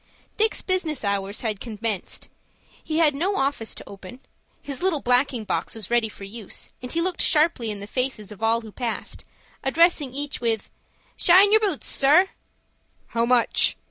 Dick's business hours had commenced. He had no office to open. His little blacking box was ready for use, and he looked sharply in the faces of all who passed, addressing each with, "Shine yer boots, sir?" "How much?"